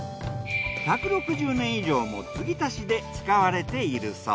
１６０年以上も継ぎ足しで使われているそう。